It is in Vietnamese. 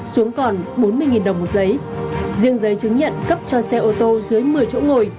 xuống còn bốn mươi đồng một giấy riêng giấy chứng nhận cấp cho xe ô tô dưới một mươi chỗ ngồi